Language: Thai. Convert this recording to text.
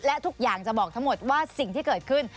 และทุกอย่างจะบอกทั้งหมดว่าสิ่งที่เกิดขึ้น